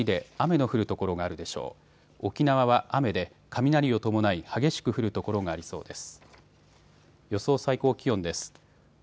沖縄は雨で雷を伴い激しく降る所がありそうです。